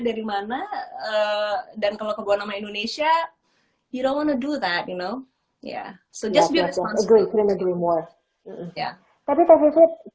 dari mana dan kalau kebun nama indonesia you don't wanna do that you know ya so just be responsible